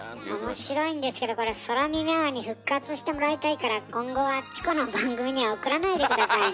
面白いんですけどこれ「空耳アワー」に復活してもらいたいから今後はチコの番組には送らないで下さいね。